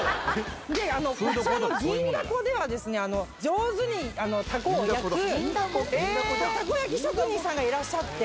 こちらの銀だこでは、上手にたこ焼き焼く、たこ焼き職人さんがいらっしゃって。